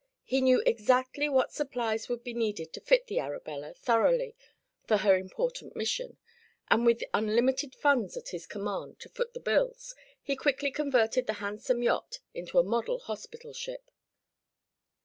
He knew exactly what supplies would be needed to fit the Arabella thoroughly for her important mission, and with unlimited funds at his command to foot the bills, he quickly converted the handsome yacht into a model hospital ship.